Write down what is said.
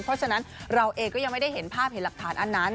เพราะฉะนั้นเราเองก็ยังไม่ได้เห็นภาพเห็นหลักฐานอันนั้น